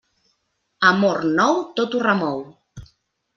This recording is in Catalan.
Amor nou, tot ho remou.